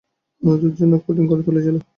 অন্যদের জন্য কঠিন করে তুলেছিল।